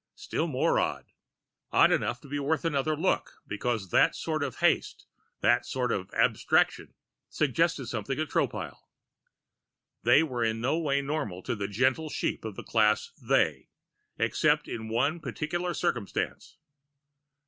Still more odd. Odd enough to be worth another look, because that sort of haste, that sort of abstraction, suggested something to Tropile. They were in no way normal to the gentle sheep of the class They, except in one particular circumstance.